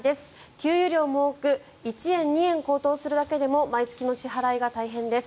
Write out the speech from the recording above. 給油量も多く１円、２円高騰するだけでも毎月の支払いが大変です。